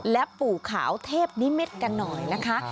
และฝูขาวเทพนิเมษกันหน่อยนะคะ